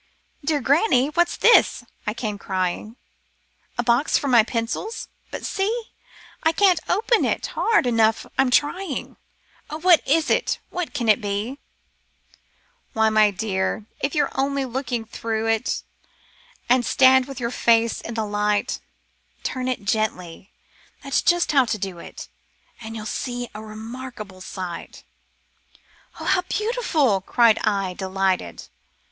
* Dear Granny, what's this ?' I came, crying, * A box for my pencils ? but see, 299 Curiosities of Olden Times I can't open it hard though Pm trying, O what is it ? what can it be ?Why, my dear, if you only look through it, And stand with your face to the light ; Turn it gently (that's just how to do it !), And you'll see a remarkable sight.' V * O how beautiful !' cried I, delighted.